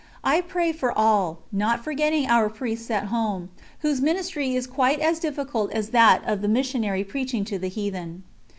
I pray for all, not forgetting our Priests at home, whose ministry is quite as difficult as that of the missionary preaching to the heathen.